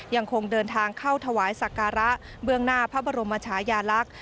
ยังคงเดินทางเข้าถวายสักการะเบื้องหน้าพระบรมชายาลักษณ์